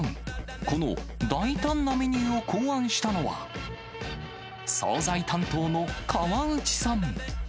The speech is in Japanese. この大胆なメニューを考案したのは、総菜担当の河内さん。